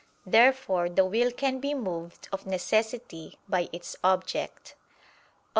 Therefore the will can be moved of necessity by its object. Obj.